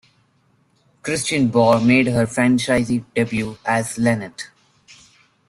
Kristin Bauer made her franchise debut as Laneth.